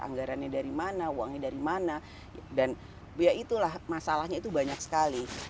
anggarannya dari mana uangnya dari mana dan ya itulah masalahnya itu banyak sekali